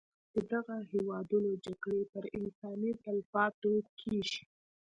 د دغه هېوادونو جګړې پر انساني تلفاتو کېږي.